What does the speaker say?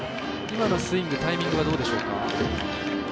今のスイング、タイミングどうでしょうか？